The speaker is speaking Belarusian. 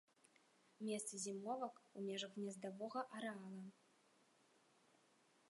Месцы зімовак у межах гнездавога арэала.